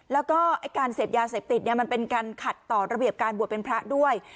แล้วก็การเสพยาเสพติดมันเป็นการขัดต่อระเบียบการบวชเป็นพระด้วย